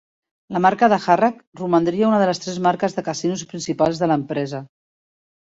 La marca de Harrah romandria una de les tres marques de casinos principals de l'empresa.